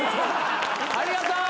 ありがとう！